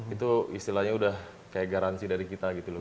itu istilahnya udah kayak garansi dari kita gitu loh